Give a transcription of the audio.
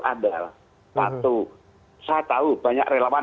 andal satu saya tahu banyak relawan